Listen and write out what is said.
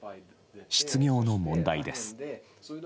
失業の問題です。